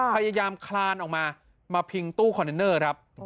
พยายามคลานออกมามาพิงตู้คอนเทนเนอร์ครับ